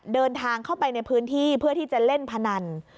เดินทางเข้าไปในพื้นที่เพื่อที่จะเล่นพนัน